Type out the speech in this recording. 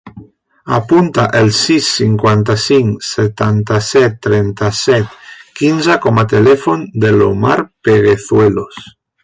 Apunta el sis, cinquanta-cinc, setanta-set, trenta-set, quinze com a telèfon de l'Omar Pleguezuelos.